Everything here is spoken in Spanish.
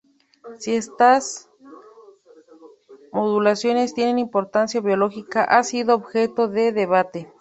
Si estas modulaciones tienen importancia biológica ha sido objeto de debate.